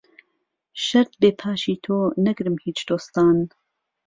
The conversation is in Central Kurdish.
شەرت بێ پاشی تۆ نەگرم هیچ دۆستان